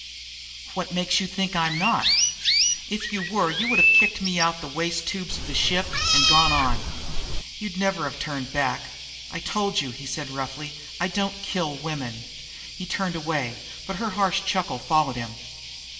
"What makes you think I'm not?" "If you were, you'd have kicked me out the waste tubs of the ship and gone on. You'd never have turned back." "I told you," he said roughly, "I don't kill women." He turned away, but her harsh chuckle followed him.